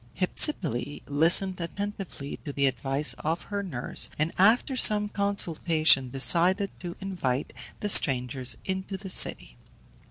Hypsipyle listened attentively to the advice of her nurse, and after some consultation, decided to invite the strangers into the city.